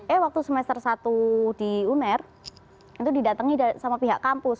eh waktu semester satu di uner itu didatangi sama pihak kampus